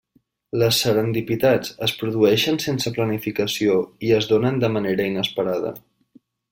Les serendipitats es produeixen sense planificació i es donen de manera inesperada.